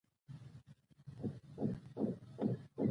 د اختر په دریمه حاجي صاحب پیغام واستاوه.